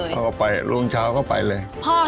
มีใครมาขอซื้อ